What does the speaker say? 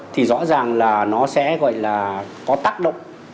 thì rõ ràng là nó sẽ gọi là có tác động